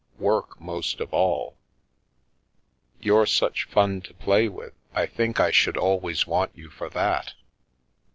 Work, most of all. You're such fun to play with, I think I should always want you for that!